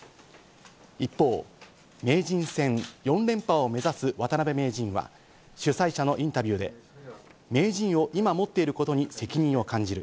一方、名人戦４連覇を目指す渡辺名人は、主催者のインタビューで、名人を今持っていることに責任を感じる。